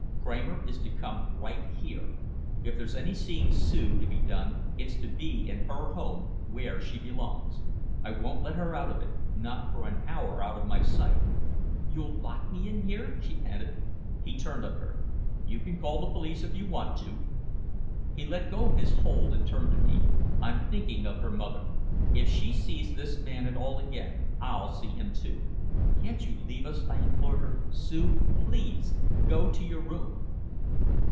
Kramer is to come right here. If there's any seeing Sue to be done it's to be in her home, where she belongs. I won't let her out of it not for an hour out of my sight!" "You'll lock me in here?" she panted. He turned on her. "You can call the police if you want to." He let go his hold and turned to me. "I'm thinking of her mother. If she sees this man at all again I'll see him too." "Can't you leave us?" I implored her. "Sue please! Go up to your room!"